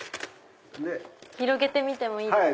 広げてみてもいいですか？